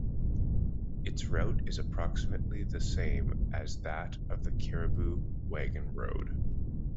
Its route is approximately the same as that of the Cariboo Wagon Road.